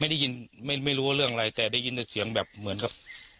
ได้ยินไม่รู้ว่าเรื่องอะไรแต่ได้ยินแต่เสียงแบบเหมือนกับ